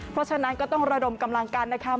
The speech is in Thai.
เพราะฉะนั้นก็ต้องระดมกำลังกันนะคะ